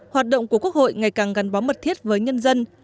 hoạt động của quốc hội ngày càng gắn bó mật thiết với nhân dân